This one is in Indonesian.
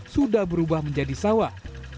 sudah berubah menjadi sawah